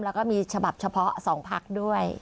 แล้วก็มีฉบับเฉพาะ๒พักด้วย